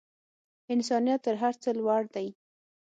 انسانیت تر هر څه لوړ دی.